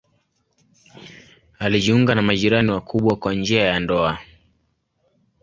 Alijiunga na majirani wakubwa kwa njia ya ndoa.